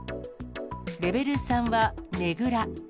レベル３はねぐら。